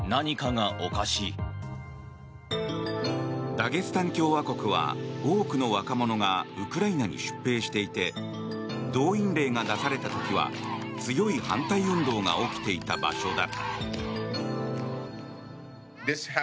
ダゲスタン共和国は多くの若者がウクライナに出兵していて動員令が出された時は強い反対運動が起きていた場所だ。